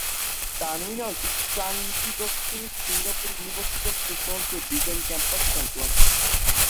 টার্মিনালটি চাঙ্গি দক্ষিণের Singapore University of Technology ও ডিজাইন ক্যাম্পাস সংলগ্ন।